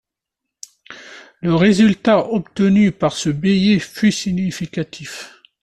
Le résultat obtenu par ce biais fut significatif.